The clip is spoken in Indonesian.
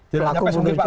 berlaku bunuh cun